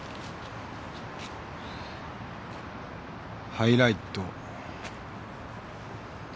ハイライト。